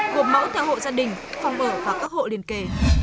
gồm mẫu theo hộ gia đình phòng mở và các hộ liên kề